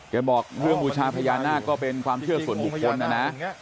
บอกเรื่องบูชาพญานาคก็เป็นความเชื่อส่วนบุคคลนะนะ